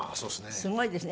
すごいですね。